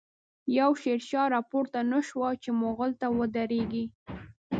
يو” شير شاه “راپورته نه شو، چی ” مغل” ته ودريږی